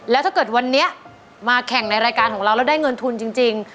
แล้วถ้าเกิดวันนี้มาแข่งในรายการของเราแล้วได้เงินทุนจริง